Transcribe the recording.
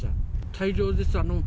大量です。